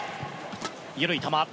緩い球。